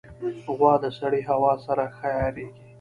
غوا د سړې هوا سره ښه عیارېږي.